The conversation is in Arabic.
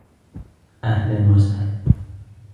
اهلا وسهلا